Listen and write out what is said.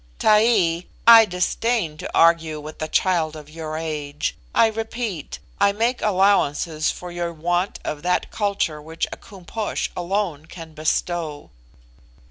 '" "Taee, I disdain to argue with a child of your age. I repeat, I make allowances for your want of that culture which a Koom Posh alone can bestow."